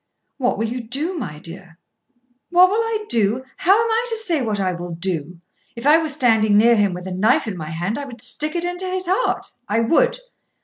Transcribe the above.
"What will you do, my dear?" "What will I do? How am I to say what I will do? If I were standing near him with a knife in my hand I would stick it into his heart. I would!